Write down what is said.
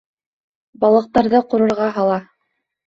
Балыҡтарҙы ҡурырға һала.